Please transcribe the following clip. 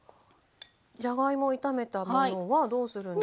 じゃがいも炒めたものはどうするんでしょうか？